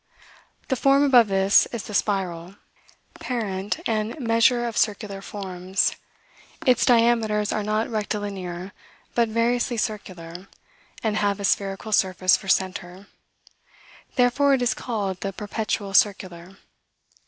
The form above this is the spiral, parent and measure of circular forms; its diameters are not rectilinear, but variously circular, and have a spherical surface for center; therefore it is called the perpetual circular.